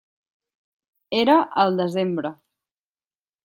Era al desembre.